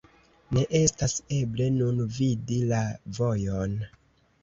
Ne estas eble nun vidi la vojon.